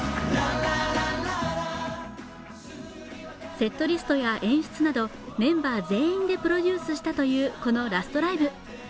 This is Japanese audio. セットリストや演出など、メンバー全員でプロデュースしたというこのラストライブ。